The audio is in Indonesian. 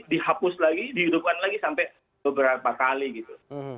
dihapus lagi dihidupkan lagi sampai beberapa kali gitu